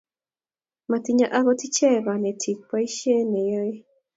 Matinye akot ichek konetik boisie ne yoe